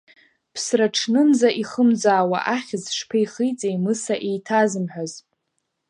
Ԥсраҽнынӡа ихымӡаауа ахьӡ шԥеихиҵеи Мыса еиҭазымҳәаз!